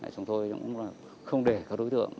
chúng tôi cũng không để các đối tượng